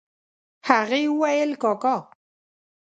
هغې وويل کاکا.